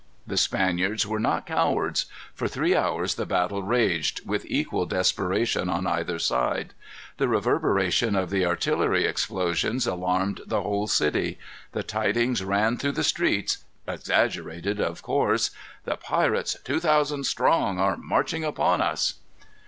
The Spaniards were not cowards. For three hours the battle raged, with equal desperation on either side. The reverberation of the artillery explosions alarmed the whole city. The tidings ran through the streets, exaggerated of course: "The pirates, two thousand strong, are marching upon us."